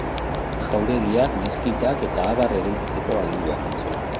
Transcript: Jauregiak, meskitak eta abar eraikitzeko agindua eman zuen.